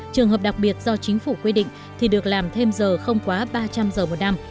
trường hợp đặc biệt do chính phủ quy định thì được làm thêm giờ không quá ba trăm linh giờ một năm